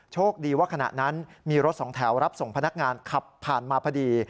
โชคดีว่าขณะนั้นมีรถสองแถวรับส่งพนักงานขับผ่านมาพอดี